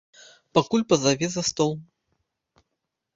Пакуль пазаве за стол.